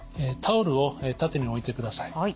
タオルを縦に置いてください。